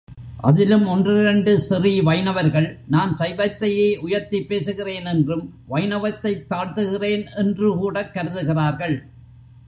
அதிலும் ஒன்றிரண்டு ஸ்ரீ வைணவர்கள், நான் சைவத்தையே உயர்த்திப் பேசுகிறேன் என்றும் வைணவத்தைத் தாழ்த்துகிறேன் என்றுகூடக் கருதுகிறார்கள்.